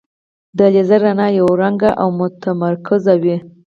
د لیزر رڼا یو رنګه او متمرکزه وي.